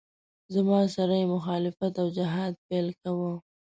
زما سره یې مخالفت او جهاد پیل کاوه.